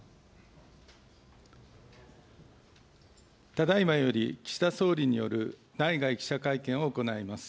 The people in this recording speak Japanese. ただいまより、岸田総理による内外記者会見を行います。